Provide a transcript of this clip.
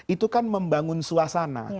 itu kan membangun suasana